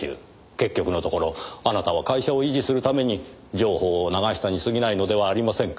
結局のところあなたは会社を維持するために情報を流したにすぎないのではありませんか？